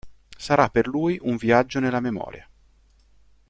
Sarà per lui un viaggio nella memoria.